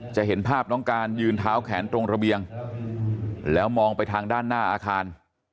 จะเห็นภาพน้องการยืนเท้าแขนตรงระเบียงแล้วมองไปทางด้านหน้าอาคาร